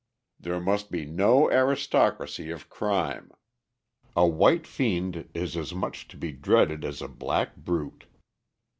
"There must be no aristocracy of crime: a white fiend is as much to be dreaded as a black brute."